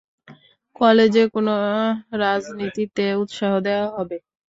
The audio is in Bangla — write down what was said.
কলেজে কেন রাজনীতিতে উৎসাহ দেওয়া হবে?